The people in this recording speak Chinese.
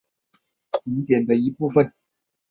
现为平湖秋月景点的一部分。